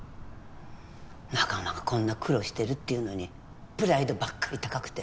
仲間がこんな苦労してるっていうのにプライドばっかり高くて。